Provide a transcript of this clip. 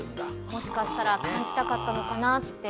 もしかしたら感じたかったのかなって。